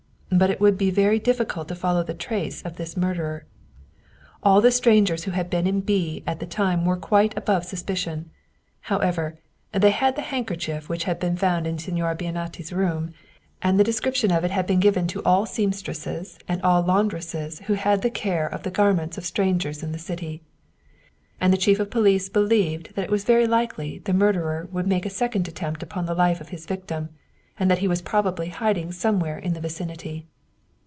But it would be very difficult to follow the trace of this murderer. All the strangers who had been in B. at the time were quite above suspicion. However, they had the handkerchief which had been found in Signora Bianetti's room, and the descrip 116 Wilhelm Banff tion of it had been given to all seamstresses and all laun dresses who had the care of the garments of strangers in the city. And the chief of police believed that it was very likely the murderer would make a second attempt upon the life of his victim, and that he was probably hiding some where in the vicinity.